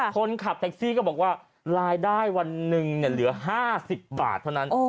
คนขับแท็กซี่ก็บอกว่ารายได้วันหนึ่งเหลือ๕๐บาทเท่านั้น